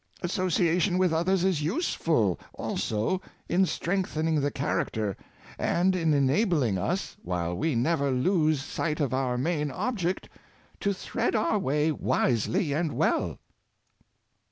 Association with others is useful also in strengthening the character, and in en abling us, while we never lose sight of our main object, to thread our way wisely and well.